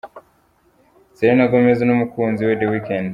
Selena Gomez n’umukunzi we The Weekend.